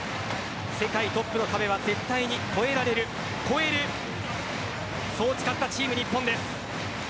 世界トップの壁は絶対に越えられる越えるそう誓ったチーム日本です。